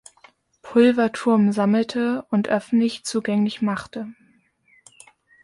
Pulverturm sammelte und öffentlich zugänglich machte.